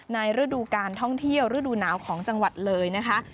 ฤดูการท่องเที่ยวฤดูหนาวของจังหวัดเลยนะคะ